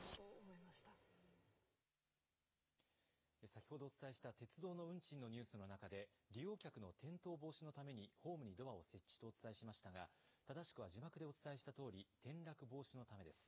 先ほどお伝えした鉄道の運賃のニュースの中で、利用客の転倒防止のためにホームにドアを設置とお伝えしましたが、正しくは字幕でお伝えしたとおり、転落防止のためです。